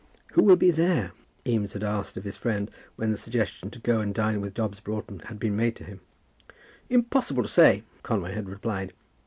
"Who will be there?" Eames had asked of his friend, when the suggestion to go and dine with Dobbs Broughton had been made to him. "Impossible to say," Conway had replied.